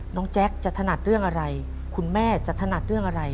แจ๊คจะถนัดเรื่องอะไรคุณแม่จะถนัดเรื่องอะไร